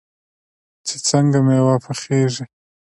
چې څنګه میوه پخیږي.